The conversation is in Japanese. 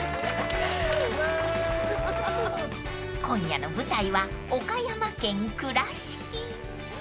［今夜の舞台は岡山県倉敷］